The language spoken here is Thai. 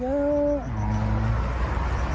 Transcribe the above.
เยอะ